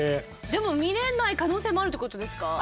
でも見れない可能性もあるってことですか？